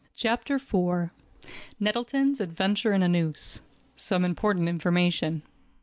CHAPTER IV. _Nettleton's Adventure in a Noose—Some Important Information.